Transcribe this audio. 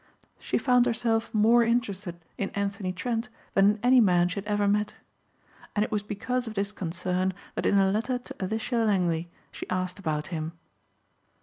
She found herself more interested in Anthony Trent than in any man she had ever met. And it was because of this concern that in a letter to Alicia Langley she asked about him.